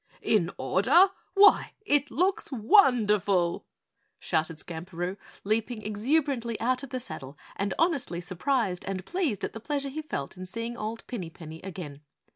"In order! Why, it looks wonderful!" shouted Skamperoo, leaping exuberantly out of the saddle, and honestly surprised and pleased at the pleasure he felt in seeing old Pinny Penny again.